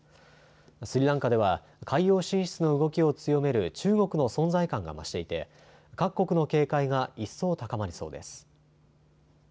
スリランカでは海洋進出の動きを強める中国の存在感が増していて各国の警戒が一層高まりそうです。